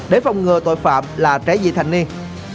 để phòng ngừa tội phạm là trẻ dị thành niên